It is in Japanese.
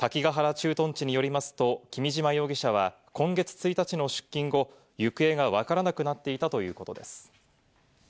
駐屯地によりますと、君島容疑者は今月１日の出勤後、行方がわからなくなっていたということです。